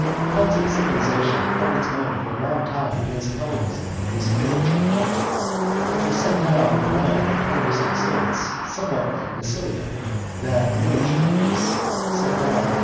Celtic civilisation held its own for a long time against Hellenism in this miniature Gaul, which was set down in a land of Hellenistic states, somewhat like Massilia, that miniature Greece, set down in a land * Horace, Epittles, li. 3.